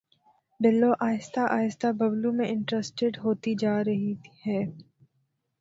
بلو آہستہ آہستہ ببلو میں انٹرسٹیڈ ہوتی جا رہی ہے